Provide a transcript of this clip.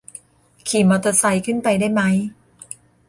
ขี่มอเตอร์ไซค์ขึ้นไปได้ไหม